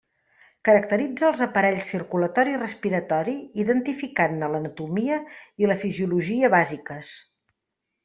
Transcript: Caracteritza els aparells circulatori i respiratori identificant-ne l'anatomia i la fisiologia bàsiques.